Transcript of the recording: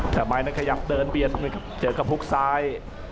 แต่ไหมมันขยับเดินเปลี่ยนเจอกับฮุกซาย